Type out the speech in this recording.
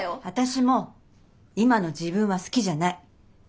私も今の自分は好きじゃない。